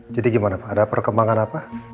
jadi gimana pak ada perkembangan apa